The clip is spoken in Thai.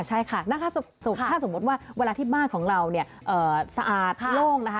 ใช่ค่ะถ้าสมมุติว่าเวลาที่บ้านของเราเนี่ยสะอาดโล่งนะคะ